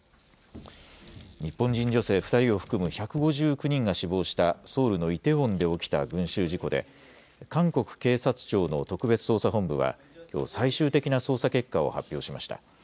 日本人女性２人を含む１５９人が死亡した、ソウルのイテウォンで起きた群集事故で、韓国警察庁の特別捜査本部は、きょう、最終的な捜査結果を発表しました。